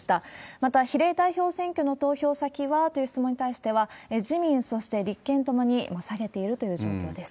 また、比例代表選挙の投票先はという質問に対しては、自民、そして立憲共に下げているという状況です。